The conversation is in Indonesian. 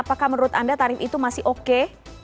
apakah menurut anda tarif itu masih oke